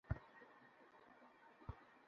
মানে, চেয়ে দেখুন একবার।